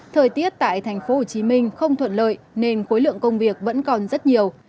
thời tiết tại tp hcm không thuận lợi nên khối lượng công việc vẫn còn rất nhiều